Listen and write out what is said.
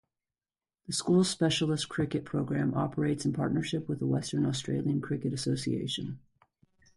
The school's specialist cricket program operates in partnership with the Western Australian Cricket Association.